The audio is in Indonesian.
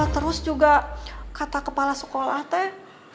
terus juga kata kepala sekolah at